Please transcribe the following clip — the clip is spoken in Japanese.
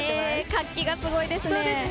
活気がすごいですね。